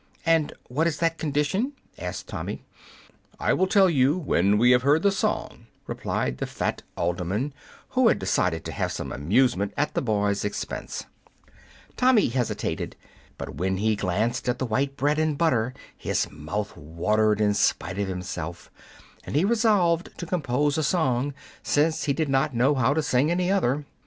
"And what is that condition?" asked Tommy. "I will tell you when we have heard the song," replied the fat alderman, who had decided to have some amusement at the boy's expense. [Illustration: Tommy Tucker] Tommy hesitated, but when he glanced at the white bread and butter his mouth watered in spite of himself, and he resolved to compose a song, since he did not know how to sing any other.